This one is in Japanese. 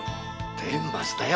天罰だよ。